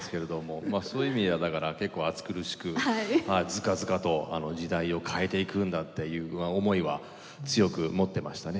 まあそういう意味ではだから結構暑苦しくズカズカと時代を変えていくんだという思いは強く持ってましたね。